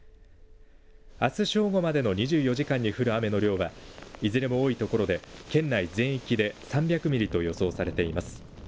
あす正午までの２４時間に降る雨の量は、いずれも多いところで県内全域で３００ミリと予想されています。